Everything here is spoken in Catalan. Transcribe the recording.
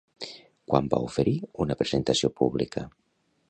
Quan va oferir una presentació pública?